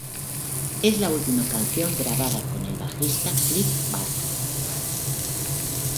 Es la última canción grabada con el bajista Cliff Burton.